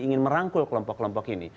ingin merangkul kelompok kelompok ini